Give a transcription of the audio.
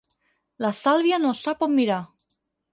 La Sàlvia no sap on mirar.